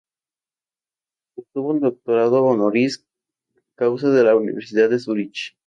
Obtuvo un doctorado honoris causa de la Universidad de Zurich.